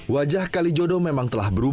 wajah kalijodo memang telah berubah